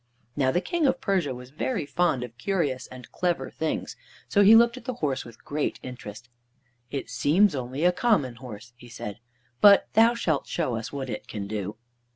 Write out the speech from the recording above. Now the King of Persia was very fond of curious and clever things, so he looked at the horse with great interest. "It seems only a common horse," he said, "but thou shalt show us what it can do."